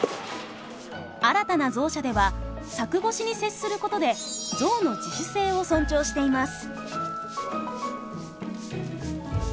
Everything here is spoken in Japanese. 新たなゾウ舎では柵越しに接することでゾウの自主性を尊重しています。